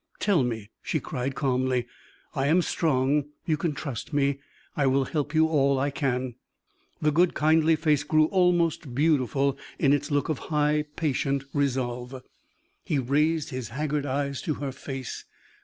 "Tell me!" she cried, calmly. "I am strong; you can trust me; I will help you all I can." The good, kindly face grew almost beautiful in its look of high, patient resolve. He raised his haggard eyes to her face.